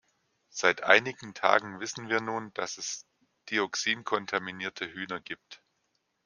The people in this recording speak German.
Seit einigen Tagen wissen wir nun, dass es dioxinkontaminierte Hühner gibt.